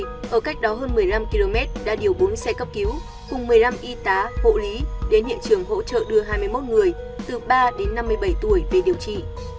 trước đó hơn một mươi năm km đã điều bốn xe cấp cứu cùng một mươi năm y tá hộ lý đến hiện trường hỗ trợ đưa hai mươi một người từ ba đến năm mươi bảy tuổi về điều trị